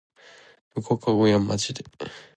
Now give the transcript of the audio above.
無加工やんまじで